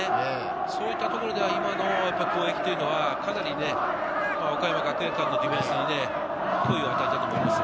そういったところでは今の攻撃というのは、かなり岡山学芸館のディフェンスに脅威を与えたと思いますよ。